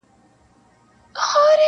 پرېږده مُهر کړي پخپله عجایب رنګه وصال دی -